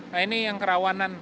nah ini yang kerawanan